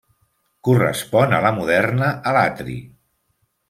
Correspon a la moderna Alatri.